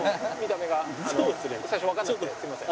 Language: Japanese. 最初わからなくてすみません。